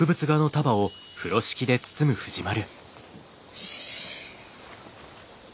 よし。